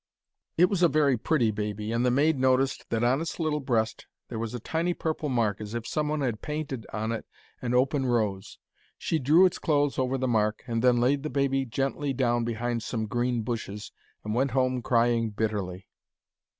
It was a very pretty baby, and the maid noticed that on its little breast there was a tiny purple mark, as if some one had painted on it an open rose. She drew its clothes over the mark, and then laid the baby gently down behind some green bushes, and went home crying bitterly.